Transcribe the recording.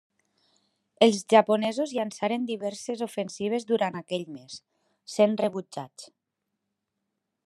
Els japonesos llançaren diverses ofensives durant aquell mes, sent rebutjats.